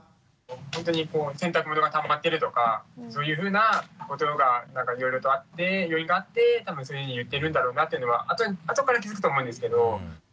ほんとに洗濯物がたまってるとかそういうふうなことがいろいろとあって要因があって多分そういうふうに言ってるんだろうなっていうのは後から気付くと思うんですけど。